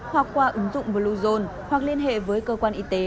hoặc qua ứng dụng bluezone hoặc liên hệ với cơ quan y tế